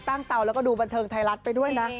เตาแล้วก็ดูบันเทิงไทยรัฐไปด้วยนะ